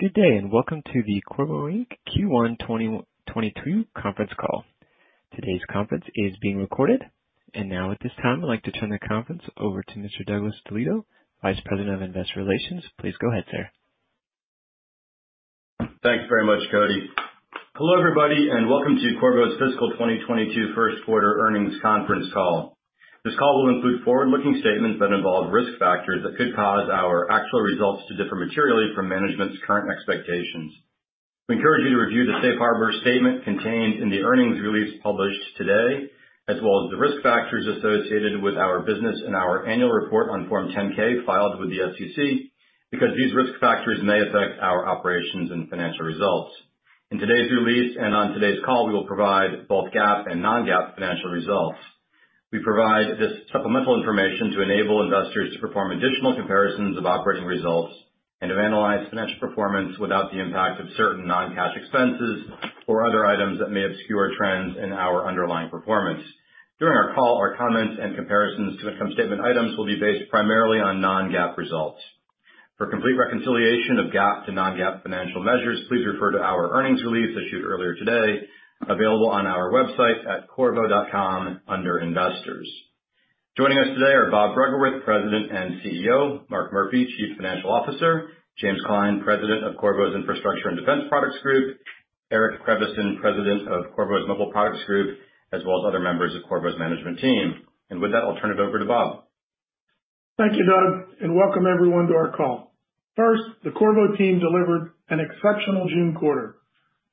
Good day, welcome to the Qorvo, Inc Q1 2022 Conference Call. Today's conference is being recorded. Now at this time, I'd like to turn the conference over to Mr. Douglas DeLieto, Vice President of Investor Relations. Please go ahead, sir. Thanks very much, Cody. Hello, everybody, and welcome to Qorvo's fiscal 2022 first quarter earnings conference call. This call will include forward-looking statements that involve risk factors that could cause our actual results to differ materially from management's current expectations. We encourage you to review the safe harbor statement contained in the earnings release published today, as well as the risk factors associated with our business and our annual report on Form 10-K filed with the SEC, because these risk factors may affect our operations and financial results. In today's release on today's call, we will provide both GAAP and non-GAAP financial results. We provide this supplemental information to enable investors to perform additional comparisons of operating results and to analyze financial performance without the impact of certain non-cash expenses or other items that may obscure trends in our underlying performance. During our call, our comments and comparisons to income statement items will be based primarily on non-GAAP results. For complete reconciliation of GAAP to non-GAAP financial measures, please refer to our earnings release issued earlier today, available on our website at qorvo.com under Investors. Joining us today are Bob Bruggeworth, President and CEO; Mark Murphy, Chief Financial Officer; James Klein, President of Qorvo's Infrastructure and Defense Products Group; Eric Creviston, President of Qorvo's Mobile Products Group; as well as other members of Qorvo's management team. With that, I'll turn it over to Bob. Thank you, Doug, and welcome everyone to our call. First, the Qorvo team delivered an exceptional June quarter.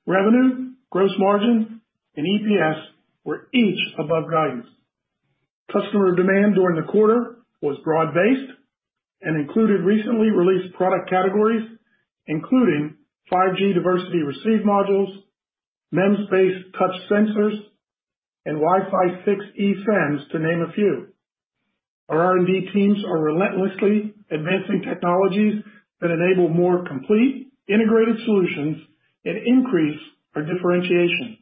Revenue, gross margin, and EPS were each above guidance. Customer demand during the quarter was broad-based and included recently released product categories, including 5G diversity receive modules, MEMS-based touch sensors, and Wi-Fi 6E FEMs, to name a few. Our R&D teams are relentlessly advancing technologies that enable more complete integrated solutions and increase our differentiation.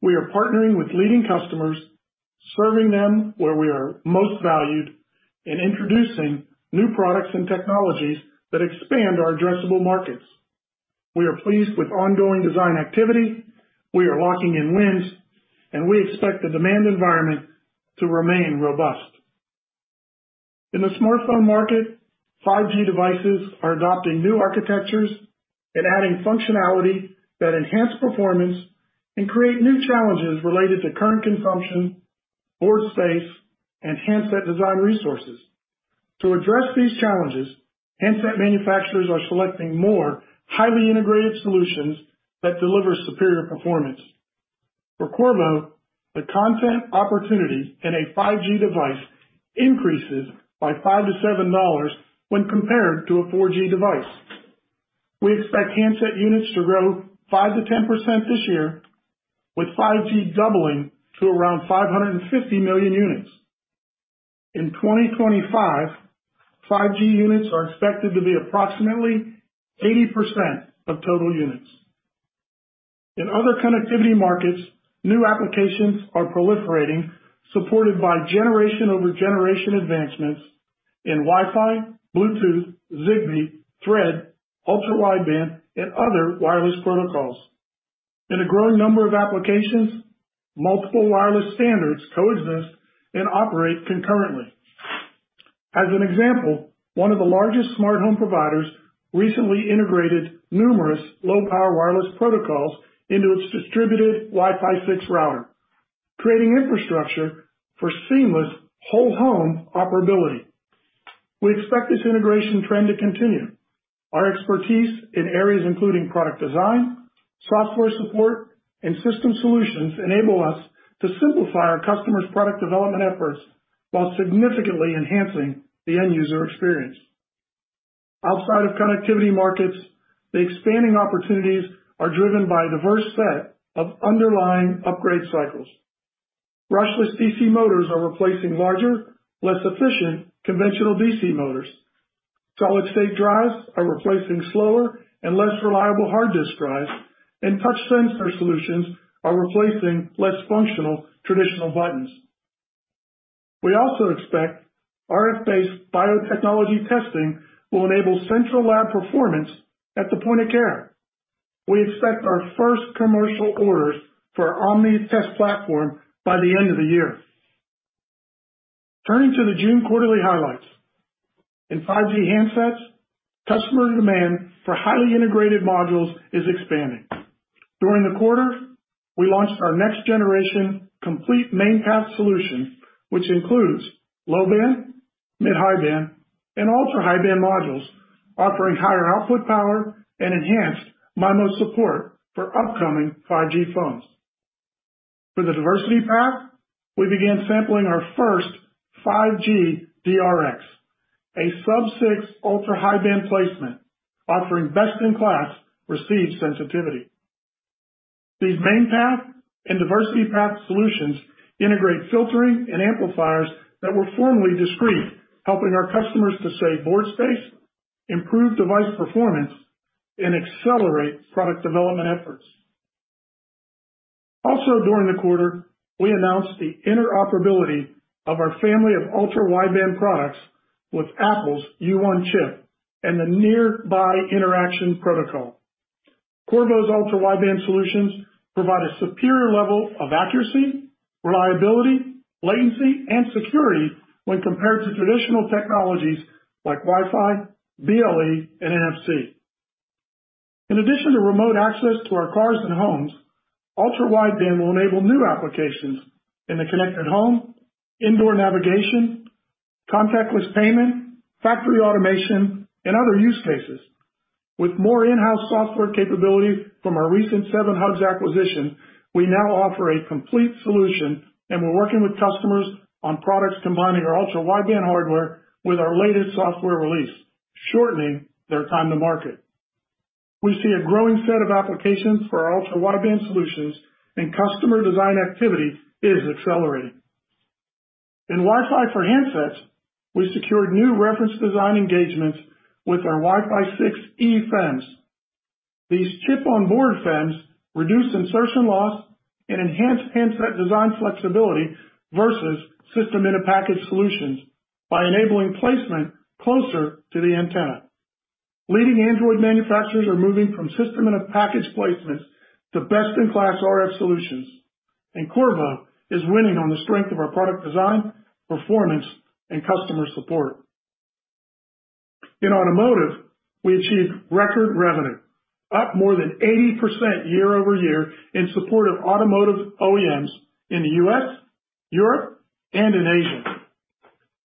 We are partnering with leading customers, serving them where we are most valued, and introducing new products and technologies that expand our addressable markets. We are pleased with ongoing design activity, we are locking in wins, and we expect the demand environment to remain robust. In the smartphone market, 5G devices are adopting new architectures and adding functionality that enhance performance and create new challenges related to current consumption, board space, and handset design resources. To address these challenges, handset manufacturers are selecting more highly integrated solutions that deliver superior performance. For Qorvo, the content opportunity in a 5G device increases by $5-$7 when compared to a 4G device. We expect handset units to grow 5%-10% this year, with 5G doubling to around 550 million units. In 2025, 5G units are expected to be approximately 80% of total units. In other connectivity markets, new applications are proliferating, supported by generation-over-generation advancements in Wi-Fi, Bluetooth, Zigbee, Thread, ultra-wideband, and other wireless protocols. In a growing number of applications, multiple wireless standards coexist and operate concurrently. As an example, one of the largest smart home providers recently integrated numerous low-power wireless protocols into its distributed Wi-Fi 6 router, creating infrastructure for seamless whole-home operability. We expect this integration trend to continue. Our expertise in areas including product design, software support, and system solutions enable us to simplify our customers' product development efforts while significantly enhancing the end-user experience. Outside of connectivity markets, the expanding opportunities are driven by a diverse set of underlying upgrade cycles. Brushless DC motors are replacing larger, less efficient conventional DC motors. Solid-state drives are replacing slower and less reliable hard disk drives, and touch sensor solutions are replacing less functional traditional buttons. We also expect RF-based biotechnology testing will enable central lab performance at the point of care. We expect our first commercial orders for our Omnia Test Platform by the end of the year. Turning to the June quarterly highlights. In 5G handsets, customer demand for highly integrated modules is expanding. During the quarter, we launched our next-generation complete main path solution, which includes low-band, mid/high-band, and ultra-high-band modules, offering higher output power and enhanced MIMO support for upcoming 5G phones. For the diversity path, we began sampling our first 5G DRX, a sub-6 ultra-high-band placement offering best-in-class receive sensitivity. These main path and diversity path solutions integrate filtering and amplifiers that were formerly discrete, helping our customers to save board space, improve device performance, and accelerate product development efforts. During the quarter, we announced the interoperability of our family of ultra-wideband products with Apple's U1 chip and the nearby interaction protocol. Qorvo's ultra-wideband solutions provide a superior level of accuracy, reliability, latency, and security when compared to traditional technologies like Wi-Fi, BLE, and NFC. In addition to remote access to our cars and homes, ultra-wideband will enable new applications in the connected home, indoor navigation, contactless payment, factory automation, and other use cases. With more in-house software capability from our recent 7Hugs acquisition, we now offer a complete solution, and we're working with customers on products combining our ultra-wideband hardware with our latest software release, shortening their time to market. We see a growing set of applications for our ultra-wideband solutions and customer design activity is accelerating. In Wi-Fi for handsets, we secured new reference design engagements with our Wi-Fi 6E FEMs. These chip-on-board FEMs reduce insertion loss and enhance handset design flexibility versus system-in-a-package solutions by enabling placement closer to the antenna. Leading Android manufacturers are moving from system-in-a-package placements to best-in-class RF solutions, and Qorvo is winning on the strength of our product design, performance, and customer support. In automotive, we achieved record revenue, up more than 80% year-over-year in support of automotive OEMs in the U.S., Europe, and in Asia.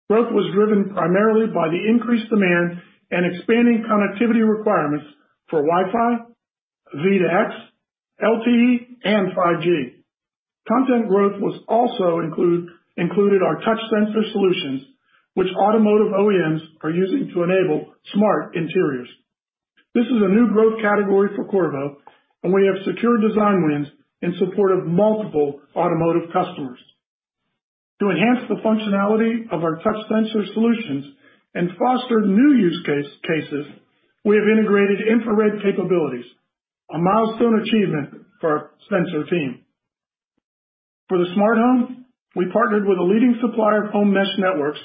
Growth was driven primarily by the increased demand and expanding connectivity requirements for Wi-Fi, V2X, LTE, and 5G. Content growth was also included our touch sensor solutions, which automotive OEMs are using to enable smart interiors. This is a new growth category for Qorvo. We have secured design wins in support of multiple automotive customers. To enhance the functionality of our touch sensor solutions and foster new use cases, we have integrated infrared capabilities, a milestone achievement for our sensor team. For the smart home, we partnered with a leading supplier of home mesh networks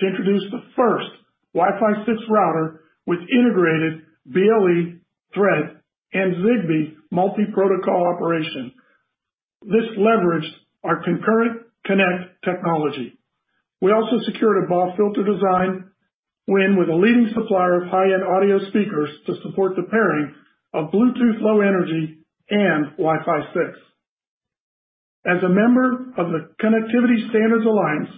to introduce the first Wi-Fi 6 router with integrated BLE, Thread, and Zigbee multi-protocol operation. This leveraged our ConcurrentConnect technology. We also secured a BAW filter design win with a leading supplier of high-end audio speakers to support the pairing of Bluetooth Low Energy and Wi-Fi 6. As a member of the Connectivity Standards Alliance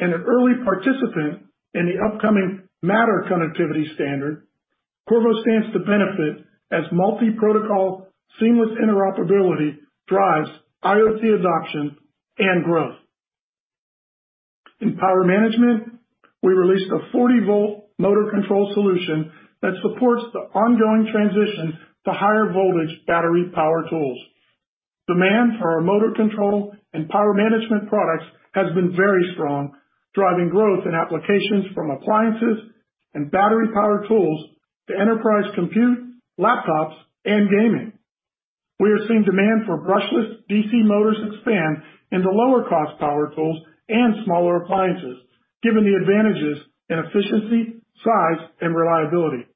and an early participant in the upcoming Matter connectivity standard, Qorvo stands to benefit as multi-protocol seamless interoperability drives IoT adoption and growth. In power management, we released a 40-volt motor control solution that supports the ongoing transition to higher voltage battery power tools. Demand for our motor control and power management products has been very strong, driving growth in applications from appliances and battery power tools to enterprise compute, laptops, and gaming. We are seeing demand for brushless DC motors expand in the lower cost power tools and smaller appliances, given the advantages in efficiency, size, and reliability.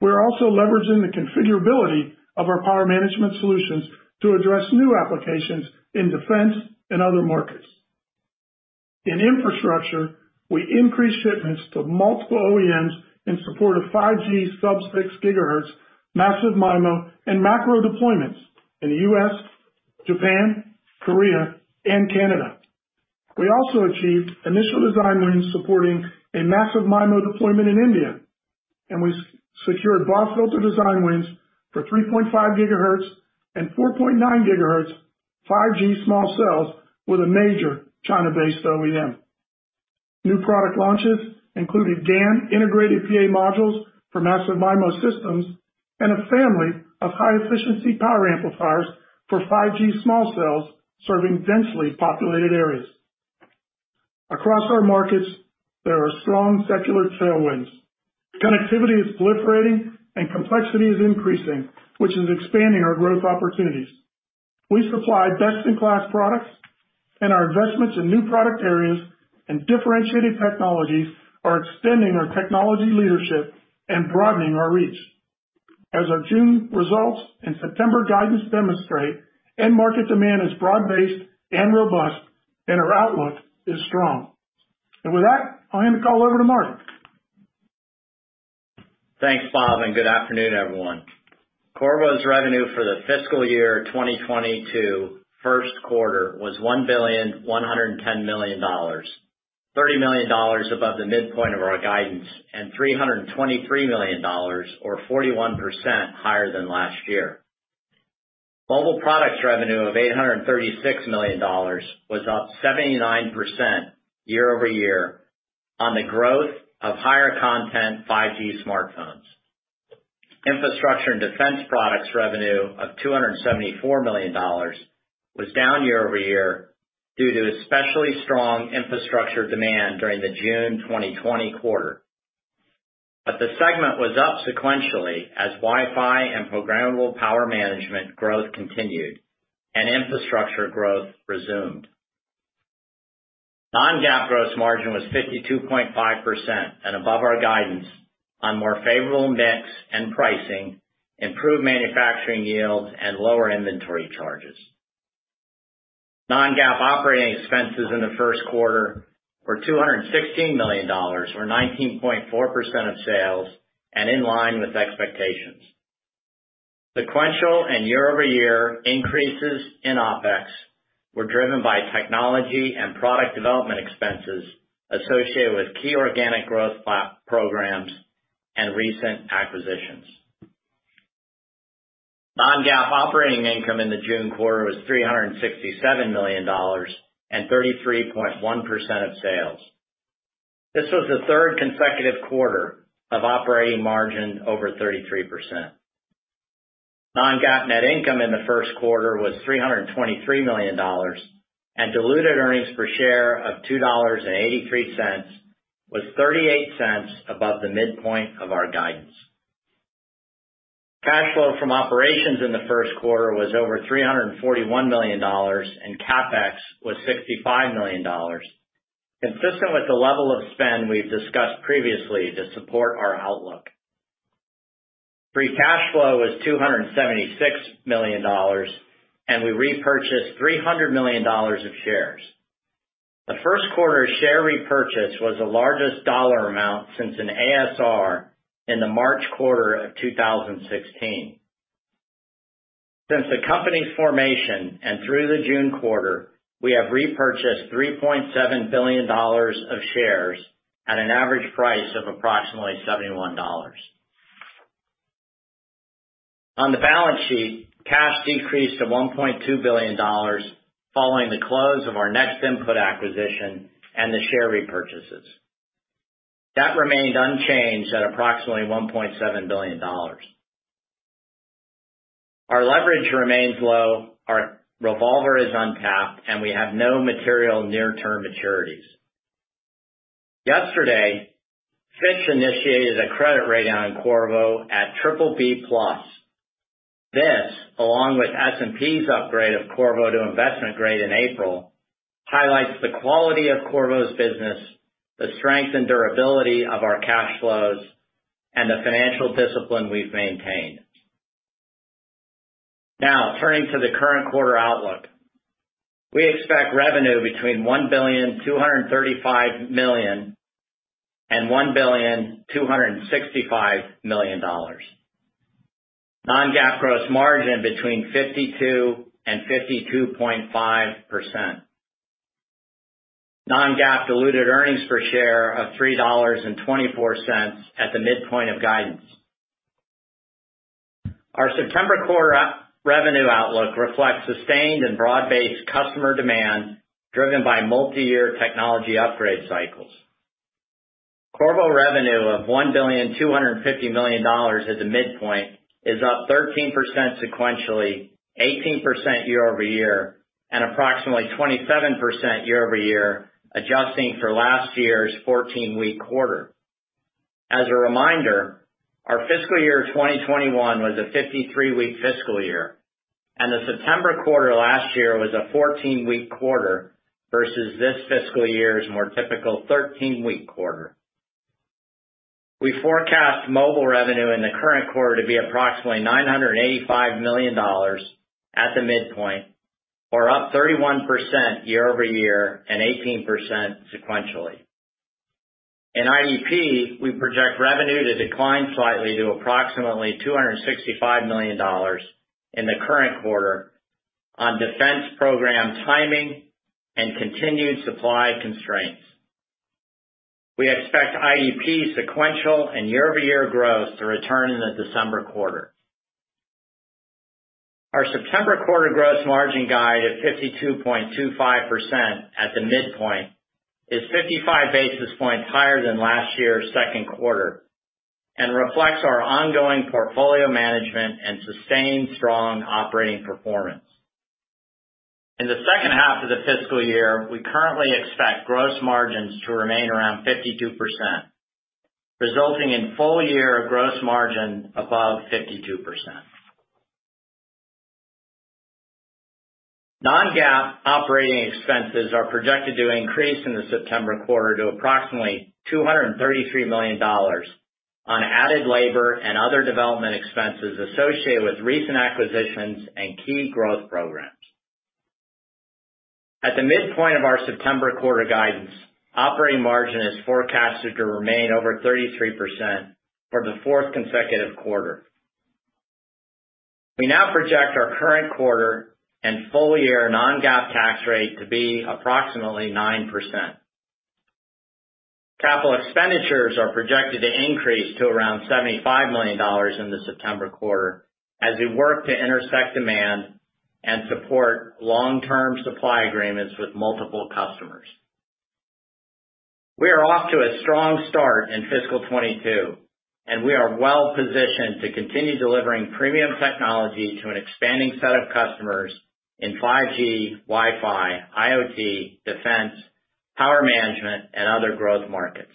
We're also leveraging the configurability of our power management solutions to address new applications in defense and other markets. In infrastructure, we increased shipments to multiple OEMs in support of 5G sub-6 GHz Massive MIMO and macro deployments in the U.S., Japan, Korea, and Canada. We also achieved initial design wins supporting a Massive MIMO deployment in India. We secured BAW filter design wins for 3.5 GHz and 4.9 GHz 5G small cells with a major China-based OEM. New product launches included GaN integrated PA modules for Massive MIMO systems and a family of high-efficiency power amplifiers for 5G small cells serving densely populated areas. Across our markets, there are strong secular tailwinds. Connectivity is proliferating and complexity is increasing, which is expanding our growth opportunities. We supply best-in-class products and our investments in new product areas and differentiated technologies are extending our technology leadership and broadening our reach. As our June results and September guidance demonstrate, end market demand is broad-based and robust, and our outlook is strong. With that, I'll hand the call over to Mark. Thanks, Bob, and good afternoon, everyone. Qorvo's revenue for the fiscal year 2022 first quarter was $1.11 billion, $30 million above the midpoint of our guidance, and $323 million or 41% higher than last year. Mobile Products revenue of $836 million was up 79% year-over-year on the growth of higher content 5G smartphones. Infrastructure and Defense Products revenue of $274 million was down year-over-year due to especially strong infrastructure demand during the June 2020 quarter. The segment was up sequentially as Wi-Fi and programmable power management growth continued, and infrastructure growth resumed. non-GAAP gross margin was 52.5% and above our guidance on more favorable mix and pricing, improved manufacturing yields, and lower inventory charges. non-GAAP operating expenses in the first quarter were $216 million, or 19.4% of sales, and in line with expectations. Sequential and year-over-year increases in OPEX were driven by technology and product development expenses associated with key organic growth programs and recent acquisitions. non-GAAP operating income in the June quarter was $367 million and 33.1% of sales. This was the third consecutive quarter of operating margin over 33%. non-GAAP net income in the first quarter was $323 million, and diluted earnings per share of $2.83 was $0.38 above the midpoint of our guidance. Cash flow from operations in the first quarter was over $341 million, and CapEx was $65 million, consistent with the level of spend we've discussed previously to support our outlook. Free cash flow was $276 million, and we repurchased $300 million of shares. The first quarter share repurchase was the largest dollar amount since an ASR in the March quarter of 2016. Since the company's formation and through the June quarter, we have repurchased $3.7 billion of shares at an average price of approximately $71. On the balance sheet, cash decreased to $1.2 billion following the close of our NextInput acquisition and the share repurchases. Debt remained unchanged at approximately $1.7 billion. Our leverage remains low, our revolver is untapped, and we have no material near-term maturities. Yesterday, Fitch initiated a credit rating on Qorvo at BBB+. This, along with S&P's upgrade of Qorvo to investment grade in April, highlights the quality of Qorvo's business, the strength and durability of our cash flows, and the financial discipline we've maintained. Turning to the current quarter outlook. We expect revenue between $1.235 billion and $1.265 billion. Non-GAAP gross margin between 52% and 52.5%. Non-GAAP diluted earnings per share of $3.24 at the midpoint of guidance. Our September quarter revenue outlook reflects sustained and broad-based customer demand driven by multiyear technology upgrade cycles. Qorvo revenue of $1.250 billion at the midpoint is up 13% sequentially, 18% year-over-year, and approximately 27% year-over-year, adjusting for last year's 14-week quarter. As a reminder, our fiscal year 2021 was a 53-week fiscal year, and the September quarter last year was a 14-week quarter versus this fiscal year's more typical 13-week quarter. We forecast mobile revenue in the current quarter to be approximately $985 million at the midpoint or up 31% year-over-year and 18% sequentially. In IDP, we project revenue to decline slightly to approximately $265 million in the current quarter on defense program timing and continued supply constraints. We expect IDP sequential and year-over-year growth to return in the December quarter. Our September quarter gross margin guide of 52.25% at the midpoint is 55 basis points higher than last year's second quarter and reflects our ongoing portfolio management and sustained strong operating performance. In the second half of the fiscal year, we currently expect gross margins to remain around 52%, resulting in full-year gross margin above 52%. Non-GAAP operating expenses are projected to increase in the September quarter to approximately $233 million on added labor and other development expenses associated with recent acquisitions and key growth programs. At the midpoint of our September quarter guidance, operating margin is forecasted to remain over 33% for the fourth consecutive quarter. We now project our current quarter and full-year non-GAAP tax rate to be approximately 9%. Capital expenditures are projected to increase to around $75 million in the September quarter as we work to intersect demand and support long-term supply agreements with multiple customers. We are off to a strong start in fiscal 2022, and we are well positioned to continue delivering premium technology to an expanding set of customers in 5G, Wi-Fi, IoT, defense, power management, and other growth markets.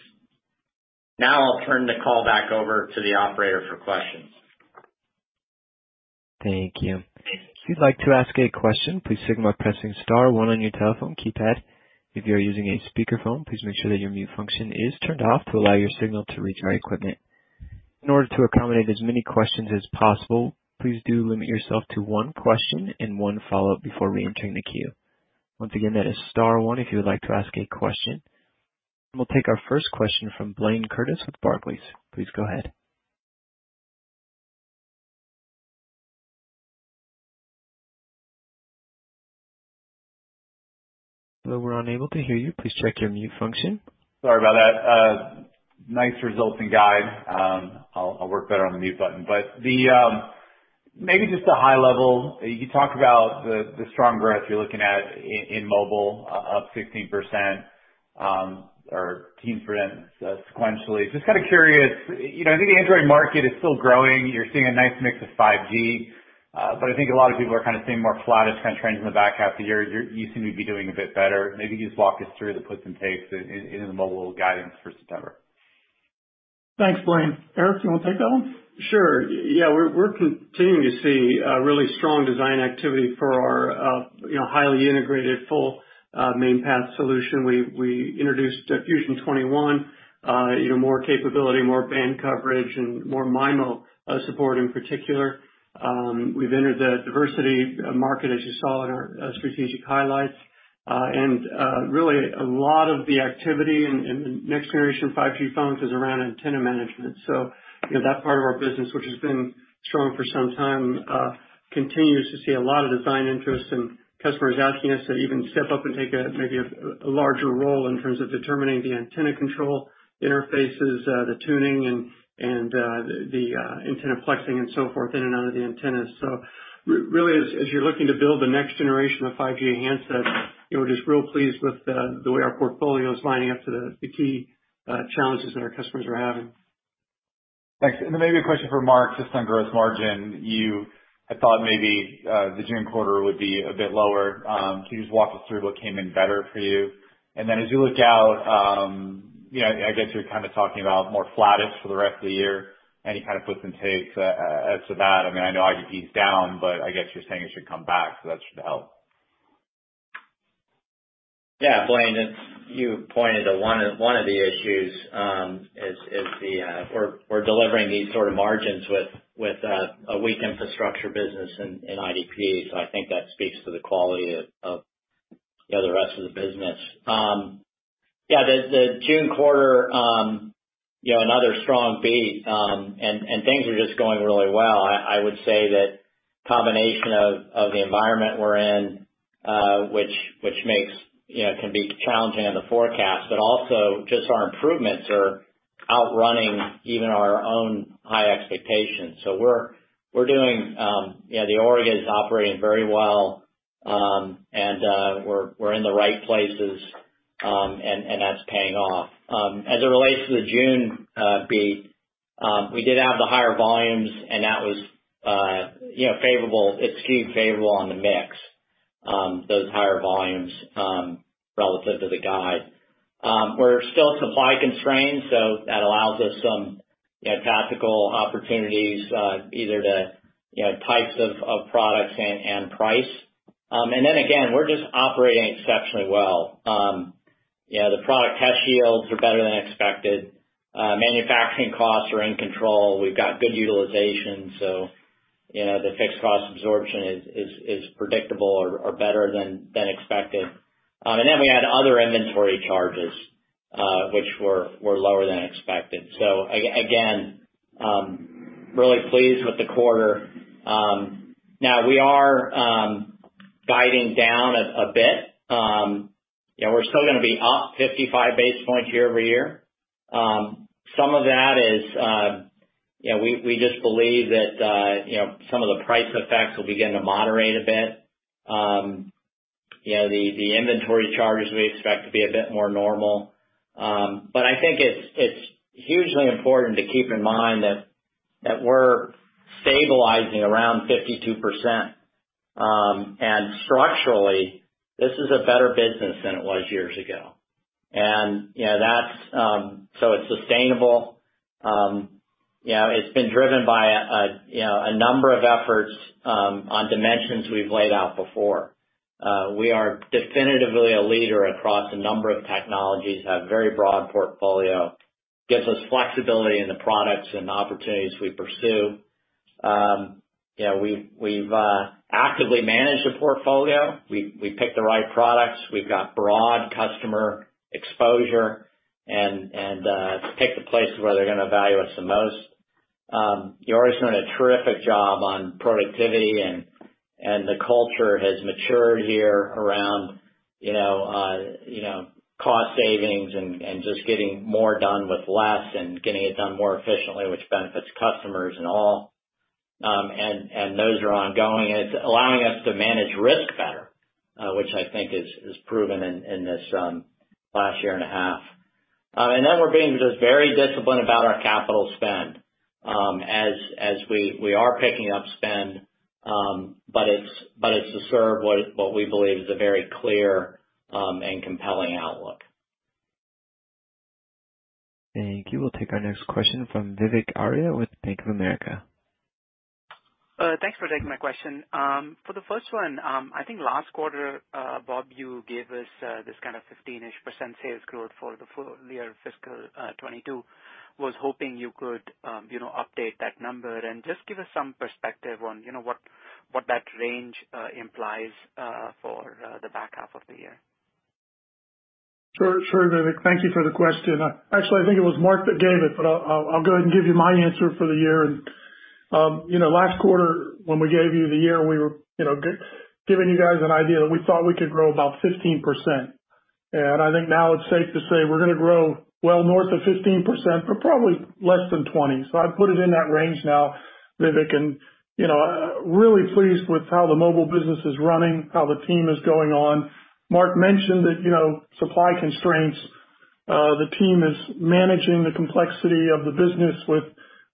Now I'll turn the call back over to the operator for questions. Thank you. If you'd like to ask a question, please signal by pressing star one on your telephone keypad. If you are using a speakerphone, please make sure that your mute function is turned off to allow your signal to reach our equipment. In order to accommodate as many questions as possible, please do limit yourself to one question and one follow-up before reentering the queue. Once again, that is star one if you would like to ask a question. We'll take our first question from Blayne Curtis with Barclays. Please go ahead. We're unable to hear you. Please check your mute function. Sorry about that. Nice results and guide. I'll work better on the mute button. Maybe just a high-level, you talked about the strong growth you're looking at in Mobile up 16%, or 15%, sequentially. Just kind of curious, I think the Android market is still growing. You're seeing a nice mix of 5G. I think a lot of people are kind of seeing more flattish kind of trends in the back half of the year. You seem to be doing a bit better. Maybe just walk us through the puts and takes in the Mobile guidance for September. Thanks, Blayne. Eric, do you want to take that one? Sure. Yeah. We're continuing to see really strong design activity for our highly integrated, full main path solution. We introduced Fusion 21, more capability, more band coverage, and more MIMO support in particular. We've entered the diversity market, as you saw in our strategic highlights. Really a lot of the activity in the next generation 5G phones is around antenna management. That part of our business, which has been strong for some time, continues to see a lot of design interest and customers asking us to even step up and take maybe a larger role in terms of determining the antenna control interfaces, the tuning, and the antenna flexing and so forth in and out of the antennas. Really, as you're looking to build the next generation of 5G handsets, we're just real pleased with the way our portfolio is lining up to the key challenges that our customers are having. Thanks. Maybe a question for Mark, just on gross margin. You had thought maybe the June quarter would be a bit lower. Can you just walk us through what came in better for you? As you look out, I guess you're kind of talking about more flattish for the rest of the year. Any kind of puts and takes as to that? I know IDP's down, but I guess you're saying it should come back, so that should help. Yeah. Blaine, you pointed to one of the issues is we're delivering these sort of margins with a weak infrastructure business in IDP. I think that speaks to the quality of the rest of the business. Yeah, the June quarter, another strong beat. Things are just going really well. I would say that combination of the environment we're in, which can be challenging on the forecast, but also just our improvements are outrunning even our own high expectations. The org is operating very well, and we're in the right places, and that's paying off. As it relates to the June beat, we did have the higher volumes, and that was favorable. It skewed favorable on the mix, those higher volumes, relative to the guide. We're still supply constrained, so that allows us some tactical opportunities, either to types of products and price. Then again, we're just operating exceptionally well. The product cash yields are better than expected. Manufacturing costs are in control. We've got good utilization, so the fixed cost absorption is predictable or better than expected. Then we had other inventory charges, which were lower than expected. Again, really pleased with the quarter. Now we are guiding down a bit. We're still going to be up 55 basis points year-over-year. Some of that is we just believe that some of the price effects will begin to moderate a bit. The inventory charges we expect to be a bit more normal. I think it's hugely important to keep in mind that we're stabilizing around 52%, and structurally, this is a better business than it was years ago. So it's sustainable. It's been driven by a number of efforts on dimensions we've laid out before. We are definitively a leader across a number of technologies, have very broad portfolio, gives us flexibility in the products and opportunities we pursue. We've actively managed the portfolio. We picked the right products. We've got broad customer exposure and picked the places where they're gonna value us the most. George has done a terrific job on productivity, the culture has matured here around cost savings and just getting more done with less and getting it done more efficiently, which benefits customers and all. Those are ongoing, and it's allowing us to manage risk better, which I think is proven in this last year and a half. We're being just very disciplined about our capital spend. As we are picking up spend, but it's to serve what we believe is a very clear and compelling outlook. Thank you. We'll take our next question from Vivek Arya with Bank of America. Thanks for taking my question. For the first one, I think last quarter, Bob, you gave us this 15-ish% sales growth for the full year of fiscal 2022. I was hoping you could update that number and just give us some perspective on what that range implies for the back half of the year. Sure, Vivek. Thank you for the question. Actually, I think it was Mark that gave it, but I'll go ahead and give you my answer for the year. Last quarter, when we gave you the year, we were giving you guys an idea that we thought we could grow about 15%. I think now it's safe to say we're going to grow well north of 15%, but probably less than 20. I'd put it in that range now, Vivek, and really pleased with how the mobile business is running, how the team is going on. Mark mentioned that supply constraints, the team is managing the complexity of the business with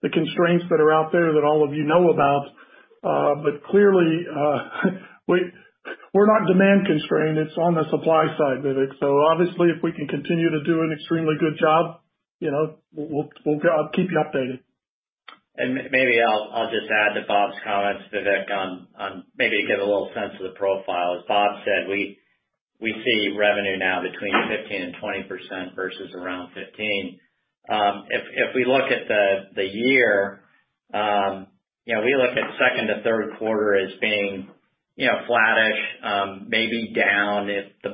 the constraints that are out there that all of you know about. Clearly, we're not demand-constrained. It's on the supply side, Vivek. Obviously, if we can continue to do an extremely good job, I'll keep you updated. Maybe I'll just add to Bob's comments, Vivek, on maybe to get a little sense of the profile. As Bob said, we see revenue now between 15% and 20% versus around 15%. If we look at the year, we look at second to third quarter as being flattish, maybe down if the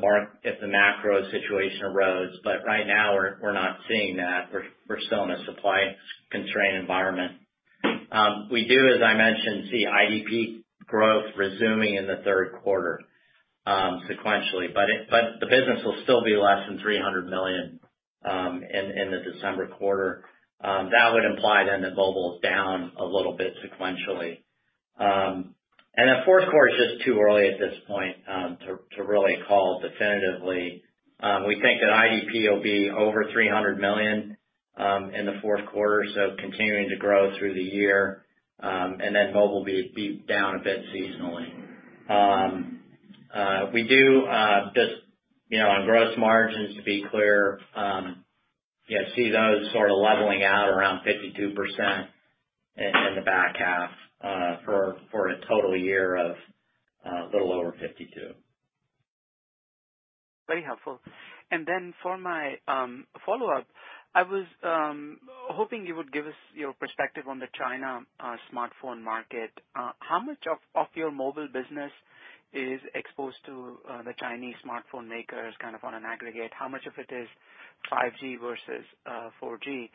macro situation arose. Right now we're not seeing that. We're still in a supply-constrained environment. We do, as I mentioned, see IDP growth resuming in the third quarter, sequentially. The business will still be less than $300 million in the December quarter. That would imply then that mobile is down a little bit sequentially. The fourth quarter is just too early at this point to really call definitively. We think that IDP will be over $300 million in the fourth quarter, so continuing to grow through the year, and then mobile will be down a bit seasonally. We do just, on gross margins, to be clear, see those sort of leveling out around 52% in the back half, for a total year of a little over 52%. Very helpful. For my follow-up, I was hoping you would give us your perspective on the China smartphone market. How much of your mobile business is exposed to the Chinese smartphone makers on an aggregate? How much of it is 5G versus 4G?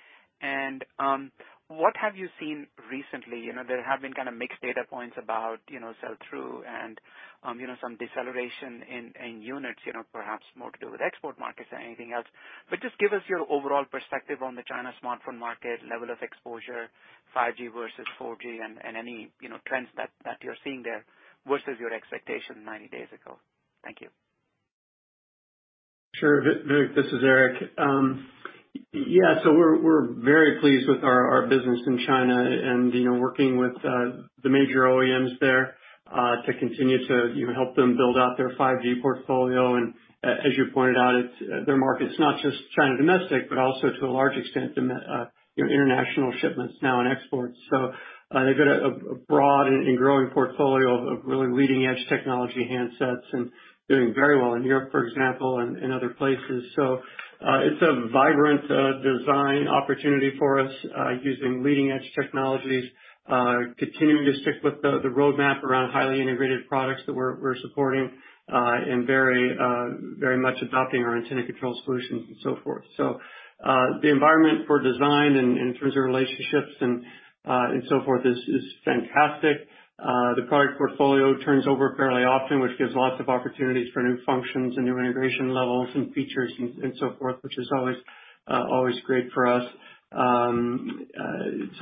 What have you seen recently? There have been kind of mixed data points about sell-through and some deceleration in units, perhaps more to do with export markets than anything else. Just give us your overall perspective on the China smartphone market, level of exposure, 5G versus 4G and any trends that you're seeing there versus your expectation 90 days ago. Thank you. Sure, Vivek. This is Eric. We're very pleased with our business in China and working with the major OEMs there to continue to help them build out their 5G portfolio. As you pointed out, their market's not just China domestic, but also to a large extent, international shipments now and exports. They've got a broad and growing portfolio of really leading-edge technology handsets and doing very well in Europe, for example, and other places. It's a vibrant design opportunity for us using leading-edge technologies, continuing to stick with the roadmap around highly integrated products that we're supporting, and very much adopting our antenna control solutions and so forth. The environment for design and in terms of relationships and so forth is fantastic. The product portfolio turns over fairly often, which gives lots of opportunities for new functions and new integration levels and features and so forth, which is always great for us. In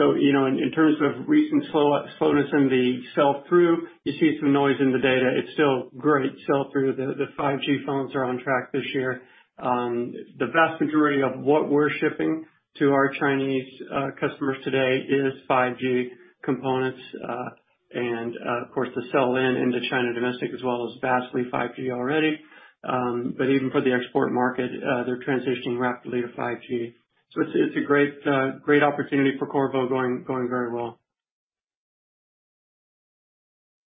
terms of recent slowness in the sell-through, you see some noise in the data. It's still great sell-through. The 5G phones are on track this year. The vast majority of what we're shipping to our Chinese customers today is 5G components. Of course, the sell-in into China domestic as well is vastly 5G already. Even for the export market, they're transitioning rapidly to 5G. It's a great opportunity for Qorvo. Going very well.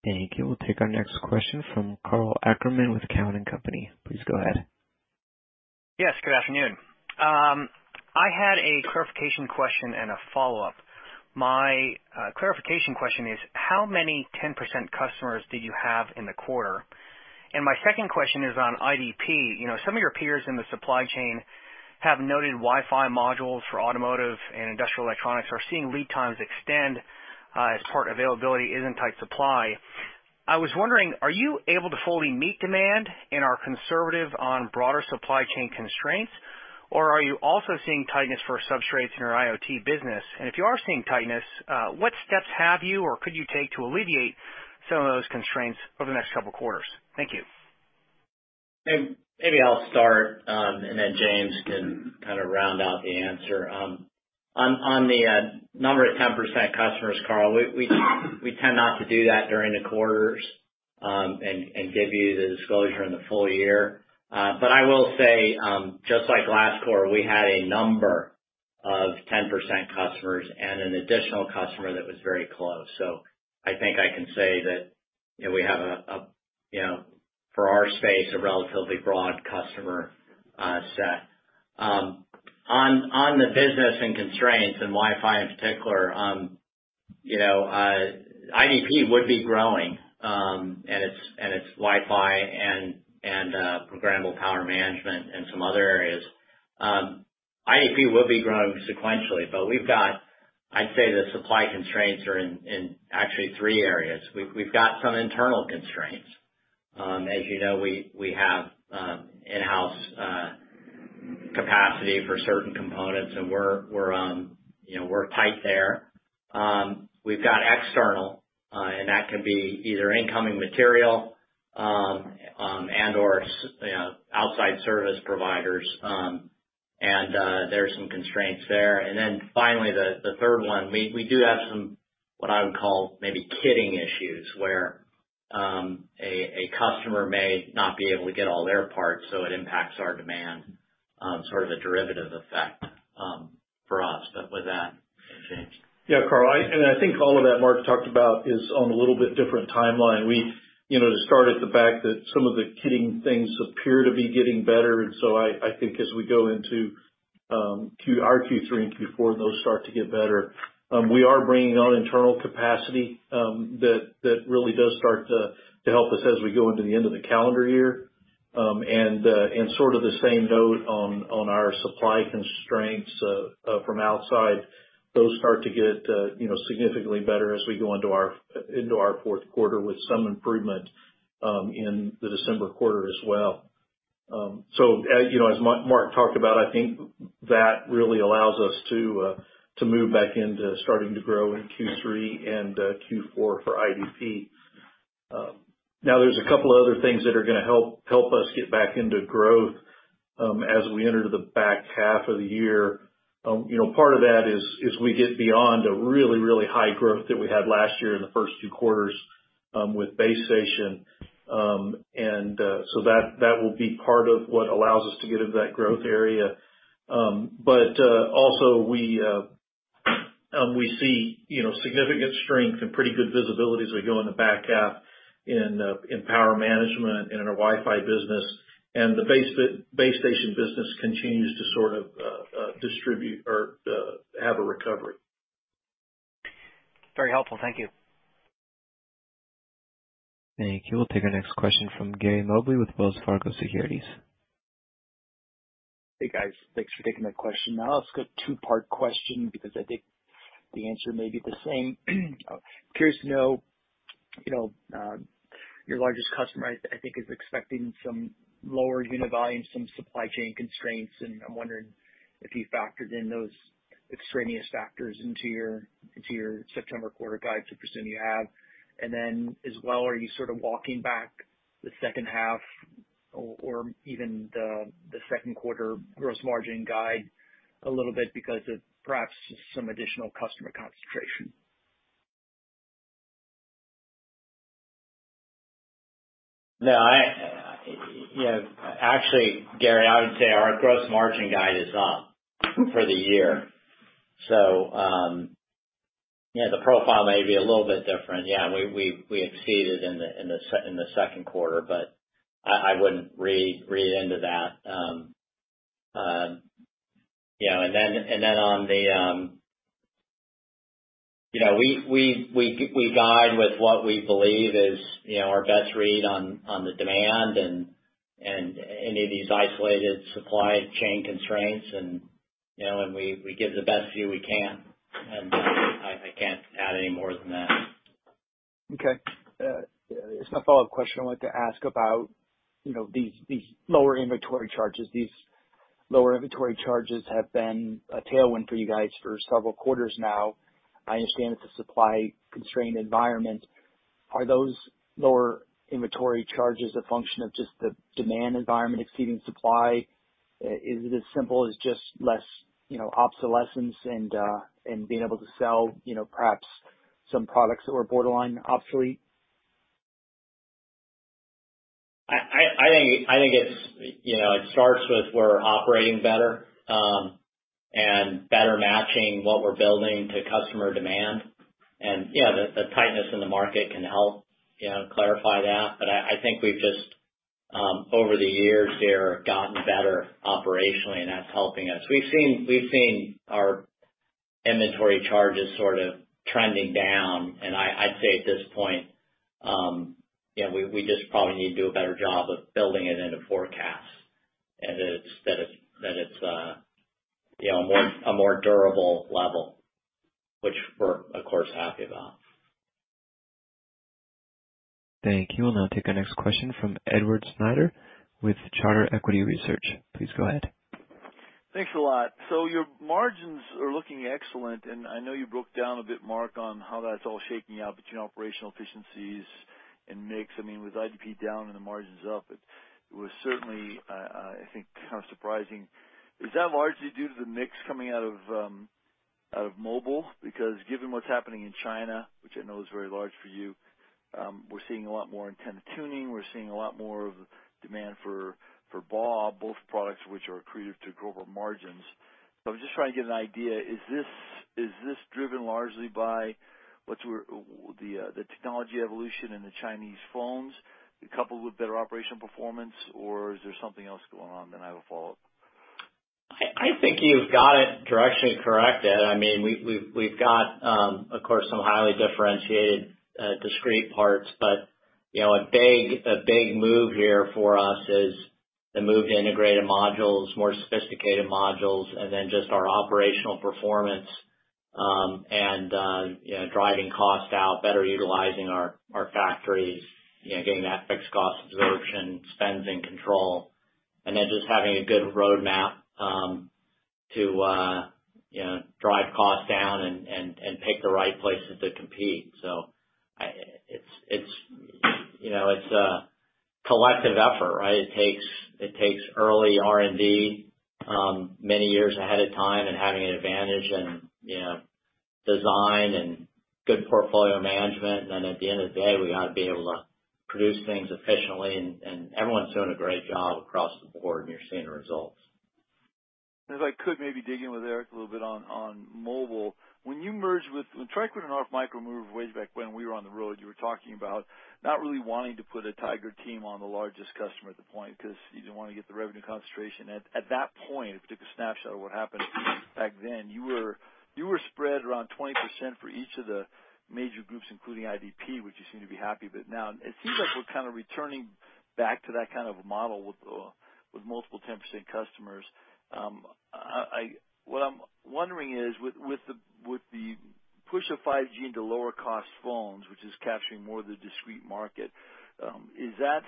Thank you. We'll take our next question from Karl Ackerman with Cowen and Company. Please go ahead. Yes, good afternoon. I had a clarification question and a follow-up. My clarification question is, how many 10% customers did you have in the quarter? My second question is on IDP. Some of your peers in the supply chain have noted Wi-Fi modules for automotive and industrial electronics are seeing lead times extend as part availability is in tight supply. I was wondering, are you able to fully meet demand and are conservative on broader supply chain constraints, or are you also seeing tightness for substrates in your IoT business? If you are seeing tightness, what steps have you or could you take to alleviate some of those constraints over the next couple of quarters? Thank you. Maybe I'll start, and then James can round out the answer. On the number of 10% customers, Karl, we tend not to do that during the quarters, and give you the disclosure in the full year. I will say, just like last quarter, we had a number of 10% customers and an additional customer that was very close. I think I can say that we have, for our space, a relatively broad customer set. On the business and constraints and Wi-Fi in particular, IDP would be growing, and it's Wi-Fi and programmable power management and some other areas. IDP will be growing sequentially. We've got, I'd say, the supply constraints are in actually three areas. We've got some internal constraints. As you know, we have in-house capacity for certain components and we're tight there. We've got external, and that can be either incoming material and/or outside service providers. There are some constraints there. Finally, the third one, we do have some, what I would call maybe kitting issues, where a customer may not be able to get all their parts, so it impacts our demand, sort of a derivative effect for us. With that, James. Yeah, Karl, I think all of that Mark talked about is on a little bit different timeline. To start at the fact that some of the kitting things appear to be getting better. I think as we go into our Q3 and Q4, those start to get better. We are bringing on internal capacity that really does start to help us as we go into the end of the calendar year. Sort of the same note on our supply constraints from outside, those start to get significantly better as we go into our fourth quarter with some improvement in the December quarter as well. As Mark talked about, I think that really allows us to move back into starting to grow in Q3 and Q4 for IDP. There's a couple other things that are going to help us get back into growth as we enter the back half of the year. Part of that is we get beyond a really, really high growth that we had last year in the first two quarters with base station. That will be part of what allows us to get into that growth area. Also we see significant strength and pretty good visibility as we go in the back half in power management and in our Wi-Fi business. The base station business continues to sort of distribute or have a recovery. Very helpful. Thank you. Thank you. We'll take our next question from Gary Mobley with Wells Fargo Securities. Hey, guys. Thanks for taking my question. I'll ask a two-part question because I think the answer may be the same. Curious to know, your largest customer, I think, is expecting some lower unit volume, some supply chain constraints, and I'm wondering if you factored in those extraneous factors into your September quarter guide, to the percent you have. Then as well, are you sort of walking back the second half or even the second quarter gross margin guide a little bit because of perhaps some additional customer concentration? Actually, Gary, I would say our gross margin guide is up for the year. The profile may be a little bit different. Yeah, we exceeded in the second quarter. I wouldn't read into that. We guide with what we believe is our best read on the demand and any of these isolated supply chain constraints, and we give the best view we can. I can't add any more than that. Okay. As my follow-up question, I wanted to ask about these lower inventory charges. These lower inventory charges have been a tailwind for you guys for several quarters now. I understand it's a supply-constrained environment. Are those lower inventory charges a function of just the demand environment exceeding supply? Is it as simple as just less obsolescence and being able to sell perhaps some products that were borderline obsolete? I think it starts with we're operating better and better matching what we're building to customer demand. The tightness in the market can help clarify that. I think we've just, over the years here, gotten better operationally, and that's helping us. We've seen our inventory charges sort of trending down, and I'd say at this point, we just probably need to do a better job of building it into forecasts. That it's a more durable level, which we're, of course, happy about. Thank you. We'll now take our next question from Edward Snyder with Charter Equity Research. Please go ahead. Thanks a lot. Your margins are looking excellent, and I know you broke down a bit, Mark, on how that's all shaking out between operational efficiencies and mix. With IDP down and the margins up, it was certainly, I think, kind of surprising. Is that largely due to the mix coming out of mobile? Given what's happening in China, which I know is very large for you, we're seeing a lot more antenna tuning, we're seeing a lot more of demand for BAW, both products which are accretive to global margins. I was just trying to get an idea, is this driven largely by the technology evolution in the Chinese phones coupled with better operational performance, or is there something else going on that I haven't followed? I think you've got it directionally correct, Ed. We've got, of course, some highly differentiated, discrete parts. A big move here for us is the move to integrated modules, more sophisticated modules, and then just our operational performance, and driving cost out, better utilizing our factories, getting that fixed cost absorption, spends in control, and then just having a good roadmap to drive costs down and pick the right places to compete. It's a collective effort, right? It takes early R&D, many years ahead of time and having an advantage in design and good portfolio management. At the end of the day, we got to be able to produce things efficiently and everyone's doing a great job across the board, and you're seeing the results. If I could maybe dig in with Eric a little bit on mobile. When TriQuint and RF Micro moved ways back when we were on the road, you were talking about not really wanting to put a tiger team on the largest customer at the point, because you didn't want to get the revenue concentration. At that point, if you took a snapshot of what happened back then, you were spread around 20% for each of the major groups, including IDP, which you seem to be happy with now. It seems like we're kind of returning back to that kind of a model with multiple 10% customers. What I'm wondering is, with the push of 5G into lower cost phones, which is capturing more of the discrete market, is that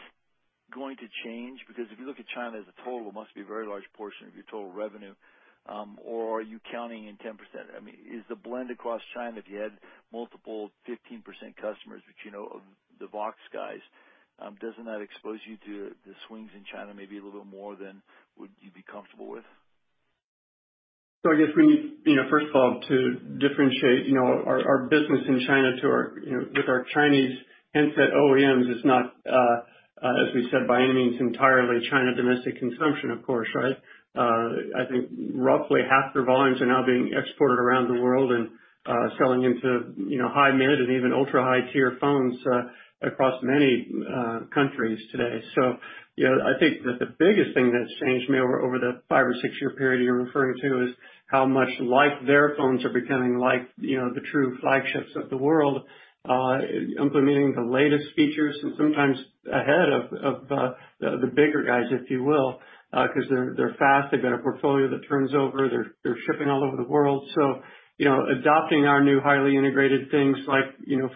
going to change? If you look at China as a total, it must be a very large portion of your total revenue. Are you counting in 10%? Is the blend across China, if you had multiple 15% customers, which you know of the box guys, doesn't that expose you to the swings in China maybe a little more than would you be comfortable with? I guess we need, first of all, to differentiate our business in China with our Chinese handset OEMs is not, as we said, by any means, entirely China domestic consumption, of course. I think roughly half their volumes are now being exported around the world and selling into high, mid, and even ultra-high tier phones across many countries today. I think that the biggest thing that's changed may over the five or six-year period you're referring to is how much their phones are becoming like the true flagships of the world, implementing the latest features and sometimes ahead of the bigger guys, if you will, because they're fast, they've got a portfolio that turns over. They're shipping all over the world. Adopting our new highly integrated things like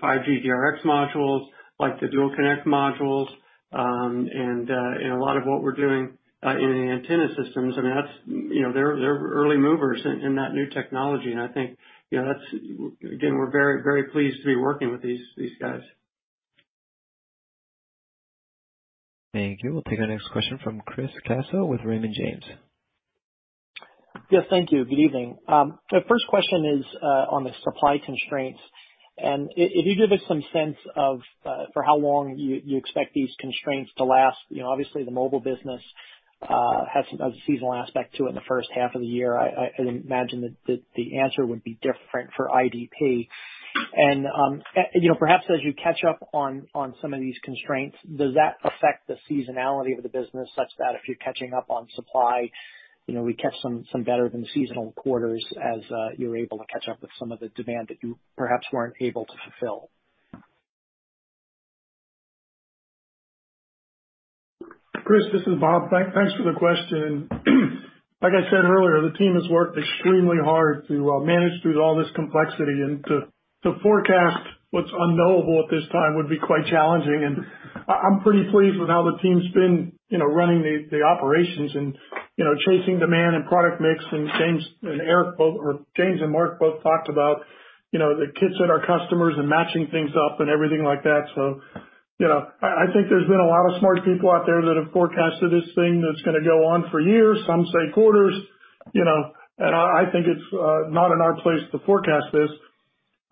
5G DRx modules, like the dual connect modules, and a lot of what we're doing in the antenna systems, and they're early movers in that new technology, and I think, again, we're very pleased to be working with these guys. Thank you. We'll take our next question from Chris Caso with Raymond James. Yes. Thank you. Good evening. The 1st question is on the supply constraints. If you could give us some sense of for how long you expect these constraints to last. Obviously, the mobile business has a seasonal aspect to it in the first half of the year. I'd imagine that the answer would be different for IDP. Perhaps as you catch up on some of these constraints, does that affect the seasonality of the business such that if you're catching up on supply, we catch some better than seasonal quarters as you're able to catch up with some of the demand that you perhaps weren't able to fulfill? Chris, this is Bob. Thanks for the question. Like I said earlier, the team has worked extremely hard to manage through all this complexity and to forecast what's unknowable at this time would be quite challenging. I'm pretty pleased with how the team's been running the operations and chasing demand and product mix. James and Mark both talked about the kits at our customers and matching things up and everything like that. I think there's been a lot of smart people out there that have forecasted this thing that's going to go on for years, some say quarters. I think it's not in our place to forecast this.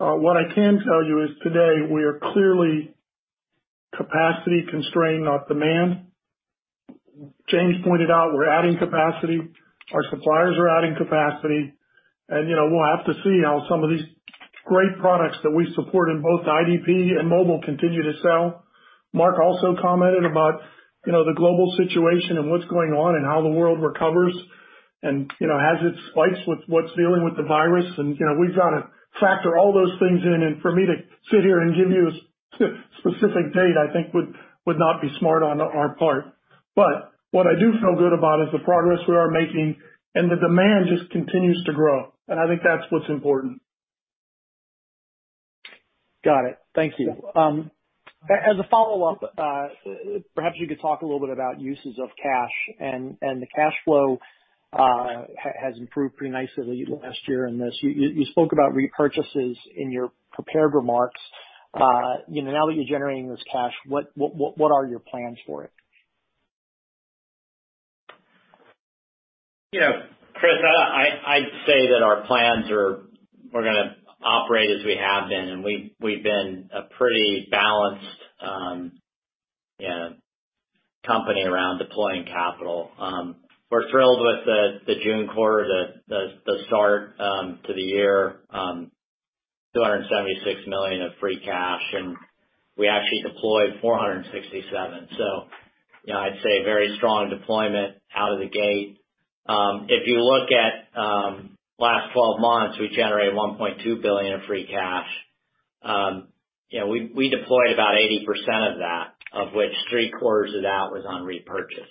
What I can tell you is today, we are clearly capacity constrained, not demand. James pointed out we're adding capacity. Our suppliers are adding capacity. We'll have to see how some of these great products that we support in both IDP and mobile continue to sell. Mark also commented about the global situation and what's going on and how the world recovers and has its spikes with what's dealing with the virus. We've got to factor all those things in, and for me to sit here and give you a specific date, I think would not be smart on our part. What I do feel good about is the progress we are making and the demand just continues to grow, and I think that's what's important. Got it. Thank you. As a follow-up, perhaps you could talk a little bit about uses of cash and the cash flow has improved pretty nicely last year in this. You spoke about repurchases in your prepared remarks. Now that you're generating this cash, what are your plans for it? Chris, I'd say that our plans are we're going to operate as we have been. We've been a pretty balanced company around deploying capital. We're thrilled with the June quarter, the start to the year, $276 million of free cash. We actually deployed $467 million. I'd say very strong deployment out of the gate. If you look at last 12 months, we generated $1.2 billion of free cash. We deployed about 80% of that, of which three quarters of that was on repurchase.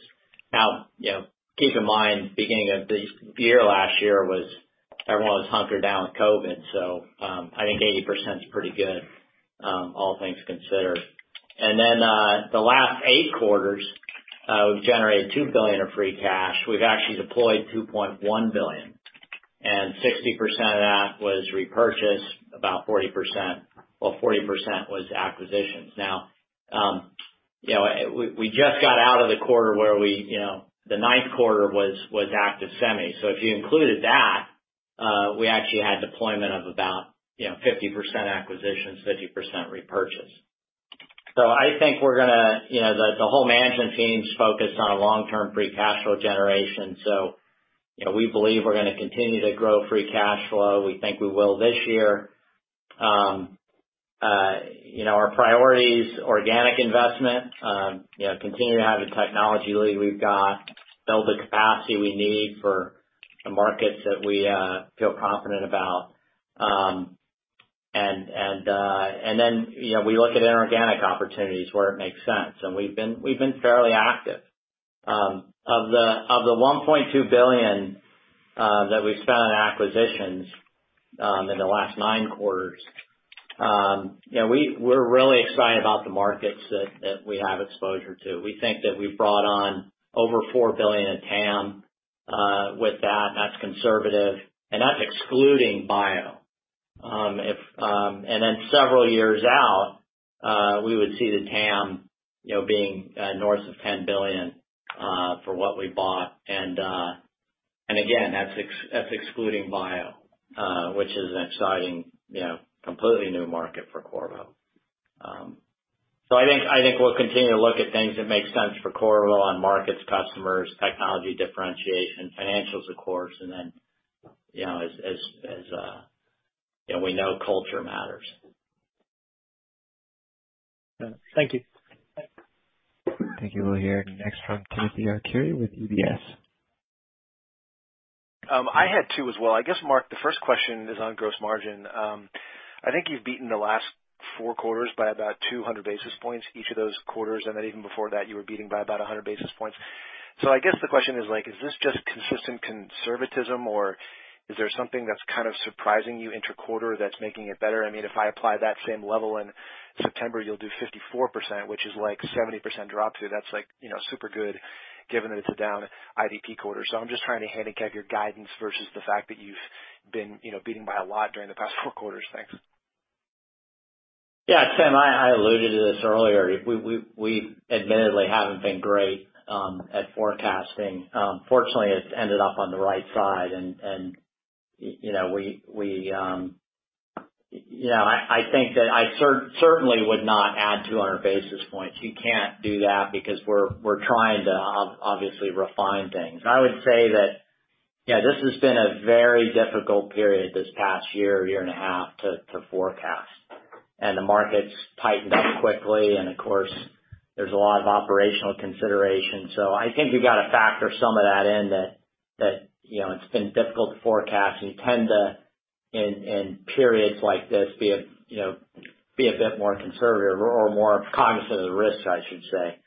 Keep in mind, beginning of the year last year, everyone was hunkered down with COVID. I think 80% is pretty good, all things considered. The last eight quarters, we've generated $2 billion of free cash. We've actually deployed $2.1 billion, 60% of that was repurchase, about 40% was acquisitions. We just got out of the quarter where the ninth quarter was Active-Semi. If you included that, we actually had deployment of about 50% acquisitions, 50% repurchase. I think the whole management team's focused on a long-term free cash flow generation. We believe we're gonna continue to grow free cash flow. We think we will this year. Our priorities, organic investment, continuing to have the technology lead we've got, build the capacity we need for the markets that we feel confident about. We look at inorganic opportunities where it makes sense. We've been fairly active. Of the $1.2 billion that we've spent on acquisitions in the last nine quarters, we're really excited about the markets that we have exposure to. We think that we've brought on over $4 billion in TAM with that. That's conservative, and that's excluding bio. Several years out, we would see the TAM being north of $10 billion for what we bought. Again, that's excluding bio, which is an exciting, completely new market for Qorvo. I think we'll continue to look at things that make sense for Qorvo on markets, customers, technology differentiation, financials, of course. Then, as we know, culture matters. Thank you. Thank you, Will, here. Next from Tim Arcuri with UBS. I had two as well. I guess, Mark, the first question is on gross margin. I think you've beaten the last four quarters by about 200 basis points each of those quarters, and then even before that, you were beating by about 100 basis points. I guess the question is this just consistent conservatism or is there something that's kind of surprising you inter-quarter that's making it better? If I apply that same level in September, you'll do 54%, which is like 70% drop through. That's super good given that it's a down IDP quarter. I'm just trying to handicap your guidance versus the fact that you've been beating by a lot during the past four quarters. Thanks. Yeah, Tim, I alluded to this earlier. We admittedly haven't been great at forecasting. Fortunately, it's ended up on the right side. I think that I certainly would not add 200 basis points. You can't do that because we're trying to obviously refine things. I would say that, this has been a very difficult period this past year and a half to forecast. The market's tightened up quickly, and of course, there's a lot of operational consideration. I think we got to factor some of that in that it's been difficult to forecast, and you tend to, in periods like this, be a bit more conservative or more cognizant of the risks, I should say.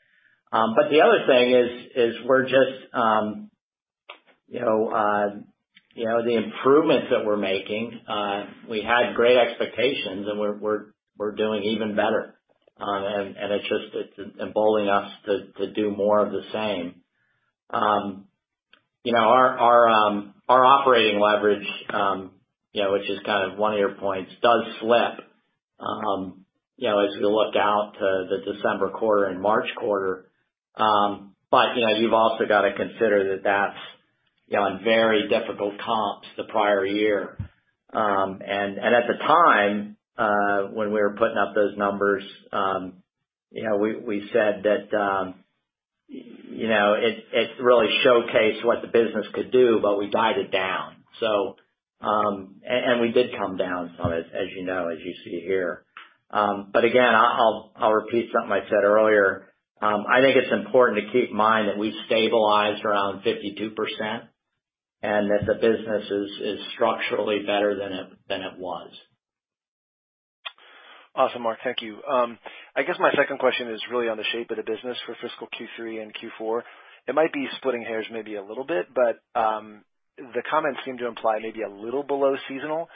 The other thing is the improvements that we're making, we had great expectations and we're doing even better. It's just emboldening us to do more of the same. Our operating leverage, which is kind of one of your points, does slip as we look out to the December quarter and March quarter. You've also got to consider that that's on very difficult comps the prior year. At the time, when we were putting up those numbers, we said that it really showcased what the business could do, but we guided down. We did come down some, as you know, as you see here. Again, I'll repeat something I said earlier. I think it's important to keep in mind that we've stabilized around 52%, and that the business is structurally better than it was. Awesome, Mark. Thank you. I guess my second question is really on the shape of the business for fiscal Q3 and Q4. It might be splitting hairs maybe a little bit. The comments seem to imply maybe a little below seasonal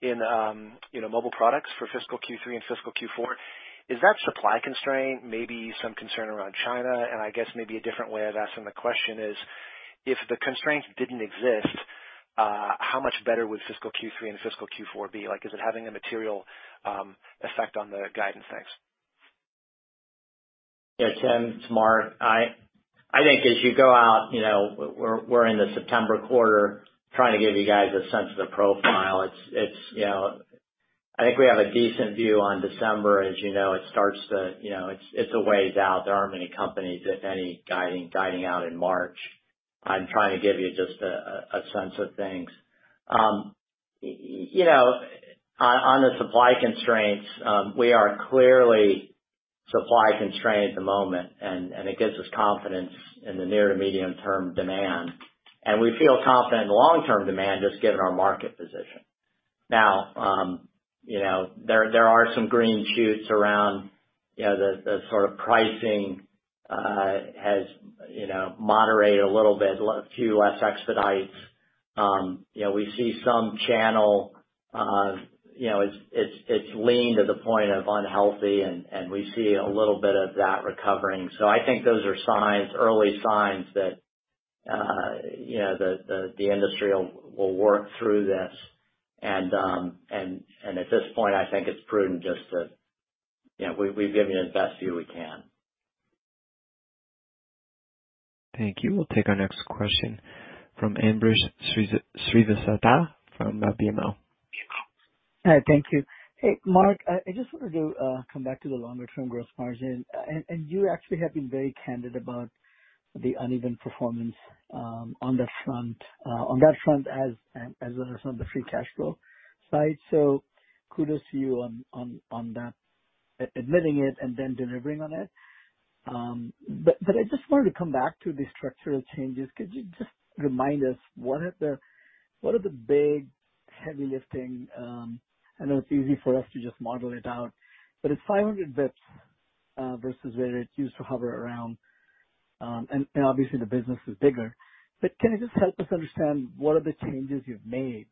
in Mobile products for fiscal Q3 and fiscal Q4. Is that supply constraint, maybe some concern around China? I guess maybe a different way of asking the question is, if the constraint didn't exist, how much better would fiscal Q3 and fiscal Q4 be? Like, is it having a material effect on the guidance? Thanks. Yeah, Tim, it's Mark. I think as you go out, we're in the September quarter trying to give you guys a sense of the profile. I think we have a decent view on December, as you know, it's a ways out. There aren't many companies, if any, guiding out in March. I'm trying to give you just a sense of things. On the supply constraints, we are clearly supply constrained at the moment, and it gives us confidence in the near to medium term demand. We feel confident in long-term demand just given our market position. Now, there are some green shoots around the sort of pricing has moderated a little bit, a few less expedites. We see some channel, it's lean to the point of unhealthy, and we see a little bit of that recovering. I think those are early signs that the industry will work through this. At this point, I think it's prudent, we've given you the best view we can. Thank you. We'll take our next question from Ambrish Srivastava from BMO. Thank you. Hey, Mark, I just wanted to come back to the longer-term gross margin. You actually have been very candid about the uneven performance on that front, as well as on the free cash flow side. Kudos to you on that, admitting it and then delivering on it. I just wanted to come back to the structural changes. Could you just remind us, what are the big heavy lifting? I know it's easy for us to just model it out, but it's 500 basis points versus where it used to hover around and obviously the business is bigger. Can you just help us understand what are the changes you've made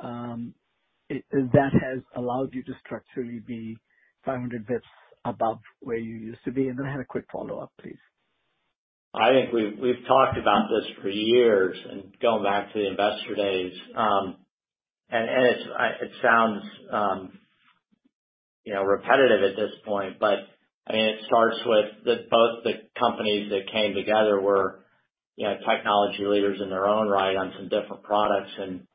that has allowed you to structurally be 500 basis points above where you used to be? I had a quick follow-up, please. I think we've talked about this for years and going back to the investor days. It sounds repetitive at this point, but it starts with both the companies that came together were technology leaders in their own right on some different products and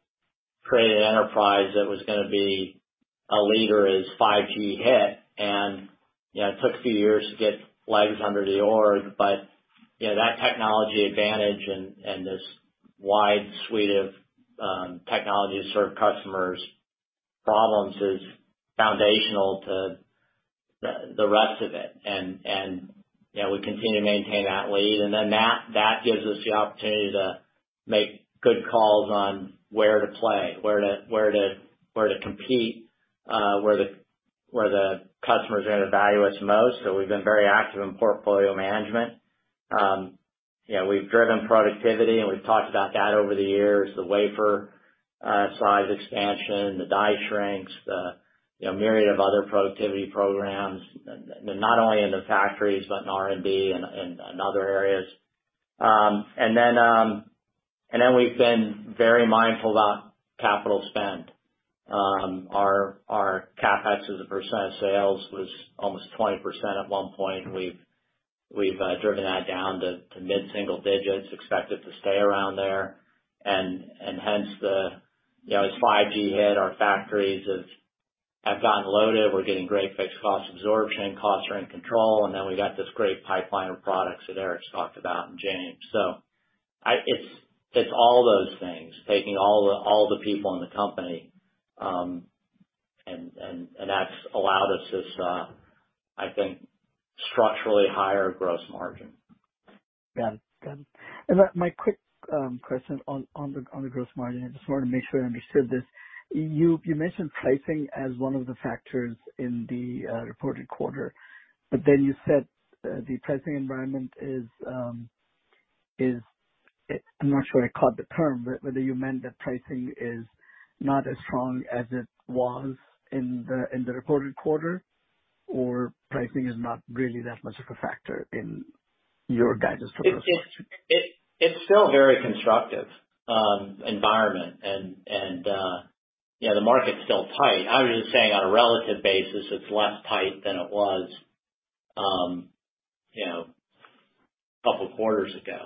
created an enterprise that was going to be a leader as 5G hit. It took a few years to get legs under the org, but that technology advantage and this wide suite of technologies to serve customers' problems is foundational to the rest of it. We continue to maintain that lead, and then that gives us the opportunity to make good calls on where to play, where to compete, where the customers are going to value us most. We've been very active in portfolio management. We've driven productivity, and we've talked about that over the years, the wafer size expansion, the die shrinks, the myriad of other productivity programs, not only in the factories, but in R&D and other areas. Then we've been very mindful about capital spend. Our CapEx as a percent of sales was almost 20% at 1 point. We've driven that down to mid-single digits, expect it to stay around there. Hence as 5G hit, our factories have gotten loaded. We're getting great fixed cost absorption and costs are in control. Then we've got this great pipeline of products that Eric's talked about, and James. It's all those things, taking all the people in the company, and that's allowed us this, I think, structurally higher gross margin. My quick question on the gross margin, I just want to make sure I understood this. You mentioned pricing as one of the factors in the reported quarter, you said the pricing environment is. I am not sure I caught the term, whether you meant that pricing is not as strong as it was in the reported quarter, or pricing is not really that much of a factor in your guidance for the rest of the year. It's still very constructive environment and the market's still tight. I was just saying on a relative basis, it's less tight than it was a couple of quarters ago.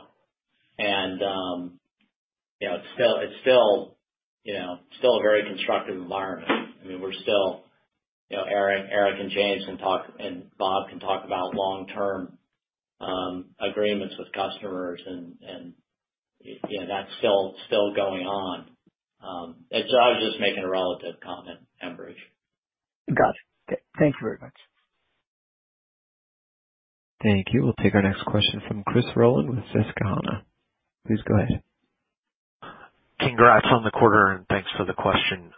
It's still a very constructive environment. I mean, Eric and James and Bob can talk about long-term agreements with customers, and that's still going on. I was just making a relative comment, Ambrish. Got it. Okay. Thank you very much. Thank you. We'll take our next question from Chris Rolland with Susquehanna. Please go ahead. Congrats on the quarter, and thanks for the question.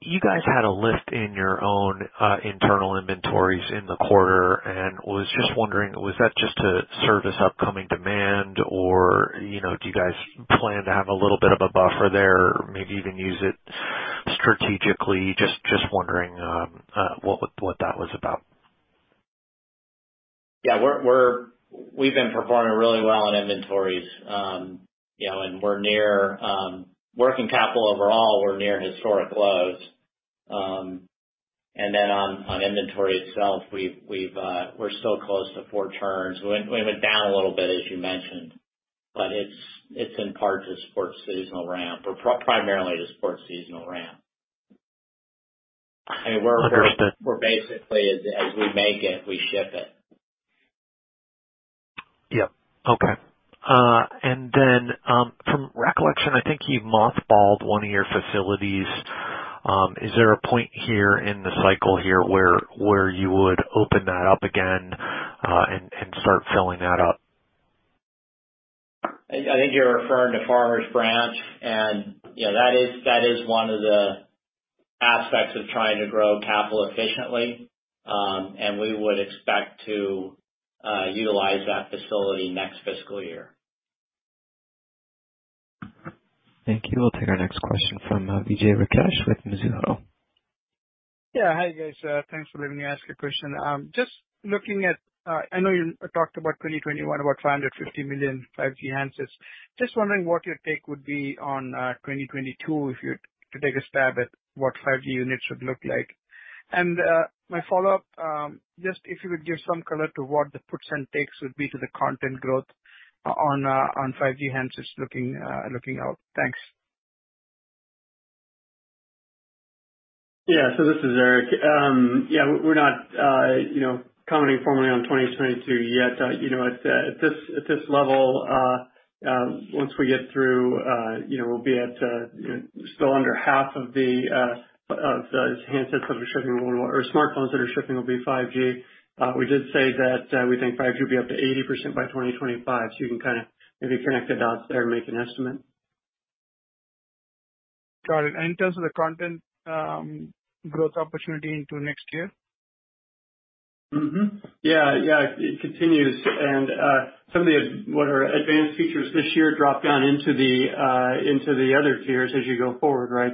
You guys had a list in your own internal inventories in the quarter, and was just wondering, was that just to service upcoming demand or do you guys plan to have a little bit of a buffer there, maybe even use it strategically? Just wondering what that was about. Yeah. We've been performing really well on inventories. Working capital overall, we're near historic lows. On inventory itself, we're still close to four turns. We went down a little bit, as you mentioned, but it's in part to support seasonal ramp or primarily to support seasonal ramp. Understood. We're basically, as we make it, we ship it. Yep. Okay. From recollection, I think you mothballed one of your facilities. Is there a point here in the cycle here where you would open that up again, and start filling that up? I think you're referring to Farmers Branch, and that is one of the aspects of trying to grow capital efficiently. We would expect to utilize that facility next fiscal year. Thank you. We'll take our next question from Vijay Rakesh with Mizuho. Yeah. Hi, guys. Thanks for letting me ask a question. I know you talked about 2021, about $550 million 5G handsets. Just wondering what your take would be on 2022, if you'd to take a stab at what 5G units would look like. My follow-up, just if you would give some color to what the puts and takes would be to the content growth on 5G handsets looking out. Thanks. This is Eric. We're not commenting formally on 2022 yet. At this level, once we get through, we'll be at still under half of the handsets that are shipping or smartphones that are shipping will be 5G. We did say that we think 5G will be up to 80% by 2025, you can maybe connect the dots there and make an estimate. Got it. In terms of the content growth opportunity into next year? Yeah. It continues, and some of the, what are advanced features this year, drop down into the other tiers as you go forward, right?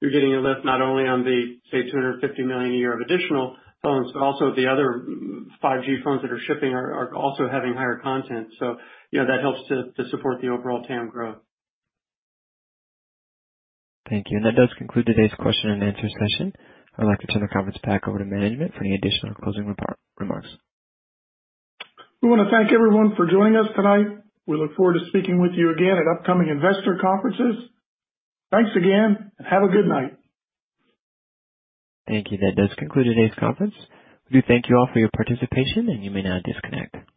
You're getting a lift not only on the, say, $250 million a year of additional phones, but also the other 5G phones that are shipping are also having higher content. That helps to support the overall TAM growth. Thank you. That does conclude today's question and answer session. I'd like to turn the conference back over to management for any additional closing remarks. We want to thank everyone for joining us tonight. We look forward to speaking with you again at upcoming investor conferences. Thanks again, and have a good night. Thank you. That does conclude today's conference. We do thank you all for your participation, and you may now disconnect.